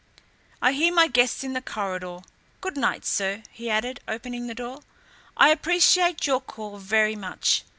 I hear my guests in the corridor. Good night, sir!" he added, opening the door. "I appreciate your call very much.